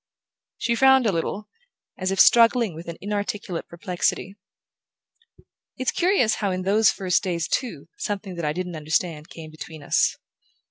She frowned a little, as if struggling with an inarticulate perplexity. "It's curious how, in those first days, too, something that I didn't understand came between us."